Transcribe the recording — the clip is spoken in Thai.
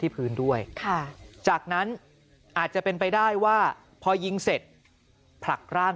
พื้นด้วยจากนั้นอาจจะเป็นไปได้ว่าพอยิงเสร็จผลักร่าง